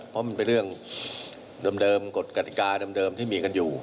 เพราะมันเป็นเรื่องเดิมกฎกติกาเดิมที่มีกันอยู่